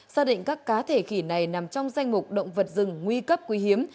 xác định các cá thể khỉ này nằm trong danh mục động vật rừng nguy cấp quý hiếm